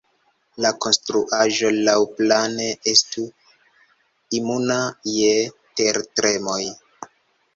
La konstruaĵo laŭplane estu imuna je tertremoj.